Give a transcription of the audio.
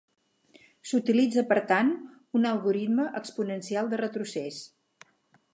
S'utilitza per tant, un algoritme exponencial de retrocés.